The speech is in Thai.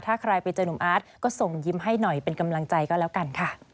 ถ้าใครไปเจอนุ่มอาร์ตก็ส่งยิ้มให้หน่อยเป็นกำลังใจก็แล้วกันค่ะ